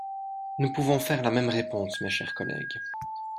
Nous pouvons vous faire la même réponse, mes chers collègues